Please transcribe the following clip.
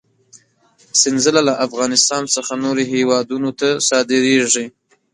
سنځله له افغانستان څخه نورو هېوادونو ته صادرېږي.